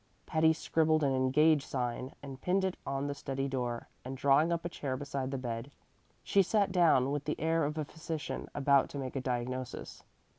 Patty scribbled an "engaged" sign and pinned it on the study door, and drawing up a chair beside the bed, she sat down with the air of a physician about to make a diagnosis.